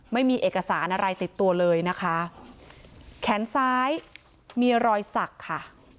ไม่มีเอกสารอะไรติดตัวเลยนะคะแขนซ้ายมีรอยสักค่ะ